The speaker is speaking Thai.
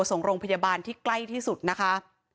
ส่งโรงพยาบาลที่ใกล้ที่สุดนะคะ